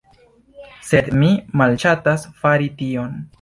Sed mi malŝatas fari tion.